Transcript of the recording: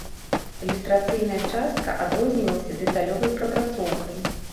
Ілюстрацыйная частка адрознівалася дэталёвай прапрацоўкай.